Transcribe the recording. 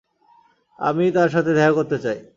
আমি তার সাথে দেখা করতে চাই!